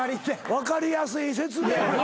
分かりやすい説明や。